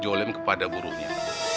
jolim kepada buruhnya